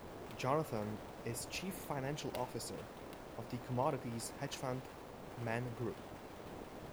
Jonathan is chief financial officer of the commodities hedge fund Man Group.